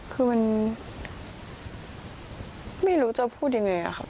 คือมันไม่รู้จะพูดยังไงครับ